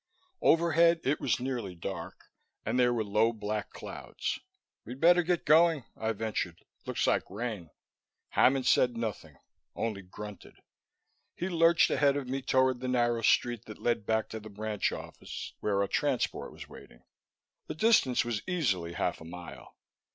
Overhead it was nearly dark, and there were low black clouds. "We'd better get going," I ventured. "Looks like rain." Hammond said nothing, only grunted. He lurched ahead of me toward the narrow street that led back to the branch office, where our transport was waiting. The distance was easily half a mile.